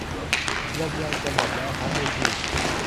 ลมยางจะหมดแล้วฮะด้วยพี่